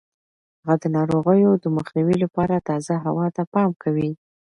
هغه د ناروغیو د مخنیوي لپاره تازه هوا ته پام کوي.